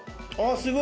すごい！